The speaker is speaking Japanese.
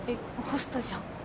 ホストじゃん。